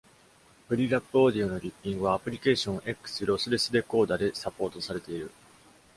プリギャップオーディオのリッピングはアプリケーション X ロスレスデコーダでサポートされている。